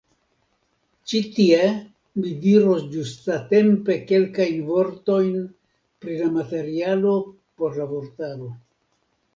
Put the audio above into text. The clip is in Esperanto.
Ĉi tie mi diros ĝustatempe kelkajn vortojn pri la materialo por la vortaro.